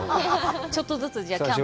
ちょっとずつ、じゃあキャンプに。